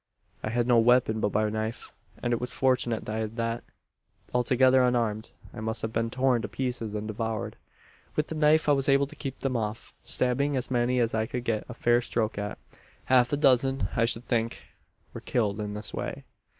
"I had no weapon but my knife; and it was fortunate I had that. Altogether unarmed, I must have been torn to pieces, and devoured. "With the knife I was able to keep them off, stabbing as many as I could get a fair stroke at. Half a dozen, I should think, were killed in this way.